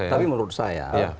tapi menurut saya